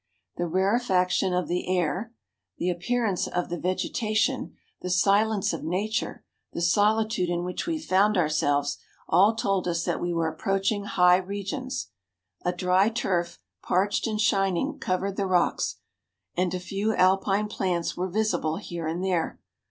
The rarefaction of the air, the appearance of the vegetation, the silence of nature, the solitude in which we found ourselves, all told us that we were approaching high regions. A dry turf, parched and shining, covered the rocks, and a few alpine plants were visible here and there.